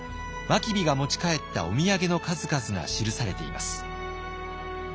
真備が持ち帰ったお土産の数々が記されています。